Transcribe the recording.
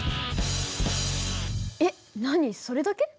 えっ何それだけ？